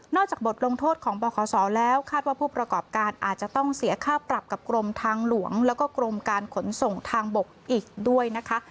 จากบทลงโทษของบขศแล้วคาดว่าผู้ประกอบการอาจจะต้องเสียค่าปรับกับกรมทางหลวงแล้วก็กรมการขนส่งทางบกอีกด้วยนะคะ